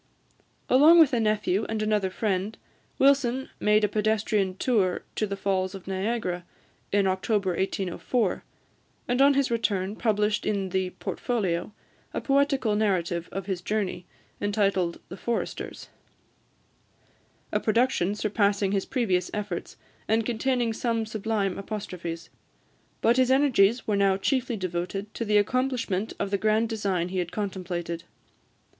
Along with a nephew and another friend, Wilson made a pedestrian tour to the Falls of Niagara, in October 1804, and on his return published in the "Portfolio" a poetical narrative of his journey, entitled "The Foresters," a production surpassing his previous efforts, and containing some sublime apostrophes. But his energies were now chiefly devoted to the accomplishment of the grand design he had contemplated.